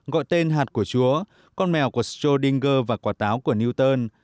gọi tên hạt của chúa con mèo của stolinger và quả táo của newton